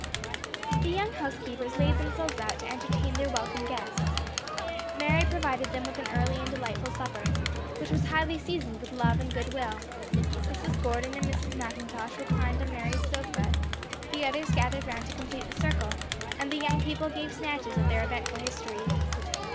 The young housekeepers laid themselves out to entertain their welcome guests. Mary provided them with an early and delightful supper, which was highly seasoned with love and good will. Mrs. Gordon and Mrs. McIntosh reclined on Mary's sofa, the others gathered round to complete the circle, and the young people gave snatches of their eventful history.